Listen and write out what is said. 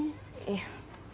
いや。